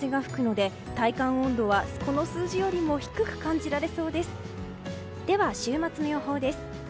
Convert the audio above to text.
では週末の予報です。